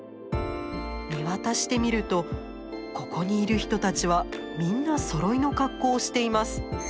見渡してみるとここにいる人たちはみんなそろいの格好をしています。